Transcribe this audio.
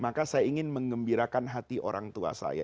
maka saya ingin mengembirakan hati orang tua saya